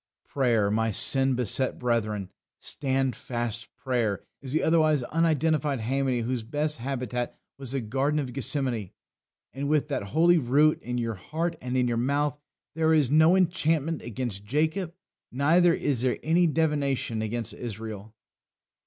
Prayer, my sin beset brethren, standfast prayer, is the otherwise unidentified haemony whose best habitat was the Garden of Gethsemane; and with that holy root in your heart and in your mouth, there is "no enchantment against Jacob, neither is there any divination against Israel."